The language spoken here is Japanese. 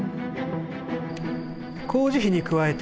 工事費に加えて、